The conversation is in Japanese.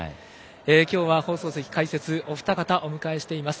きょうは放送席解説お二方をお迎えしています。